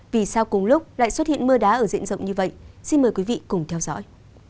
vì sao cùng lúc lại xuất hiện mưa đá ở diện rộng như vậy xin mời quý vị cùng theo dõi